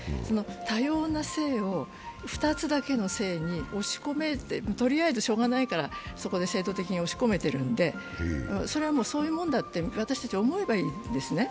多様な性を２つだけの性に押し込めて、とりあえずしようがないからそこで制度的に押し込めているので、それはそういうものだと私たち、思えばいいんですね。